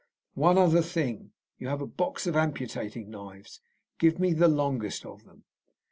"One other thing. You have a box of amputating knives. Give me the longest of them."